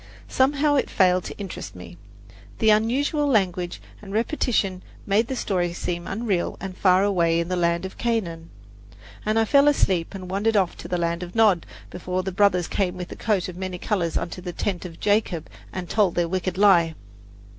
Somehow it failed to interest me. The unusual language and repetition made the story seem unreal and far away in the land of Canaan, and I fell asleep and wandered off to the land of Nod, before the brothers came with the coat of many colours unto the tent of Jacob and told their wicked lie!